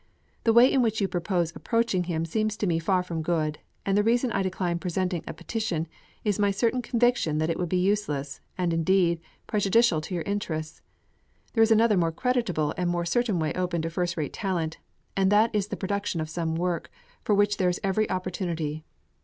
The way in which you propose approaching him seems to me far from good, and the reason I decline presenting a petition is my certain conviction that it would be useless, and, indeed, prejudicial to your interests. There is another more creditable and more certain way open to first rate talent, and that is the production of some work, for which there is every opportunity.